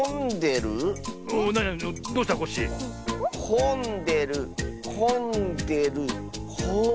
こんでるこんでるこん。